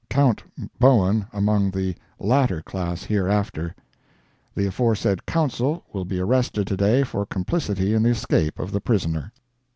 Count Bowen among the latter class hereafter. The aforesaid "counsel" will be arrested to day for complicity in the escape of the prisoner.